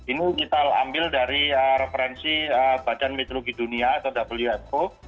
ini kita ambil dari referensi badan meteorologi dunia atau wfo